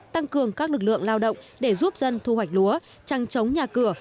tăng cường các lực lượng lao động để giúp dân thu hoạch lúa trăng chống nhà cửa